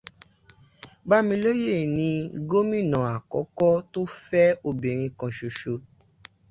Bámilóyè ni gómìnà àkọ́kọ́ tó fẹ́ obìnrin kan ṣoṣo.